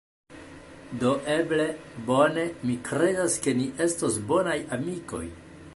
Do eble, bone, mi kredas ke ni estos bonaj amikoj